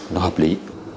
nó hợp lý